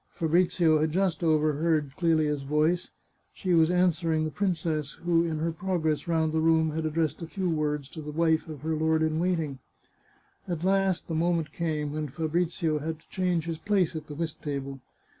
Fabrizio had just overheard Clelia's voice ; she was answering the princess, who, in her progress round the room, had addressed a few words to the wife of her lord in waiting. At last the moment came when Fabrizio had to change his place at the whist table.